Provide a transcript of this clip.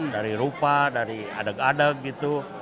dari rupa dari adeg adeg gitu